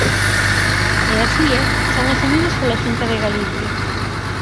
E así é, son asumidos pola Xunta de Galicia.